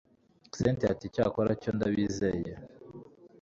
cyntia ati cyakora cyo ndabizeye